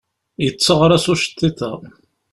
Yetteɣraṣ uceṭṭiḍ-a.